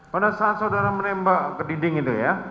pada saat saudara menembak ke dinding itu ya